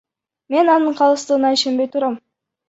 Мен анын калыстыгына ишенбей турам.